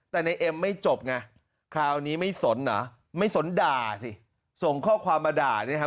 แต่ในเอ็มไม่จบไงคราวนี้ไม่สนเหรอไม่สนด่าสิส่งข้อความมาด่าเนี่ยครับ